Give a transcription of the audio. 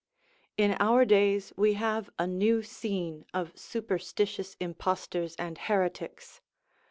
In our days we have a new scene of superstitious impostors and heretics.